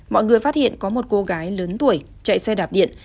mọi người phát hiện có một cô gái lớn tuổi chạy xe đạp điện